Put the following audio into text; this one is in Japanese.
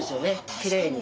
きれいに。